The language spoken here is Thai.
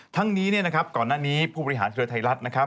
ทั้งนี้เนี่ยนะครับก่อนหน้านี้ผู้บริหารเครือไทยรัฐนะครับ